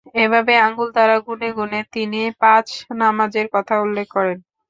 এভাবে আঙ্গুল দ্বারা গুণে গুণে তিনি পাঁচ নামাযের কথা উল্লেখ করেন।